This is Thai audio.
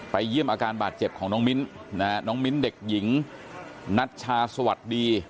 เยี่ยมอาการบาดเจ็บของน้องมิ้นน้องมิ้นเด็กหญิงนัชชาสวัสดี